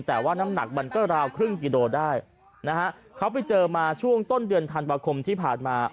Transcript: แต่ว่าน้ำหนักมันก็ราวครึ่งกิโลได้นะฮะเขาไปเจอมาช่วงต้นเดือนธันวาคมที่ผ่านมา